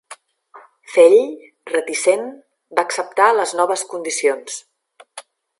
Fell, reticent, va acceptar les noves condicions.